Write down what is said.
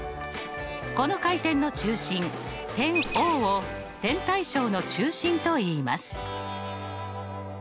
この回転の中心点Ｏを点対称の中心といいます。